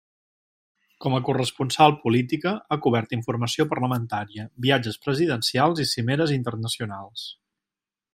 Com a corresponsal política ha cobert informació parlamentària, viatges presidencials i cimeres internacionals.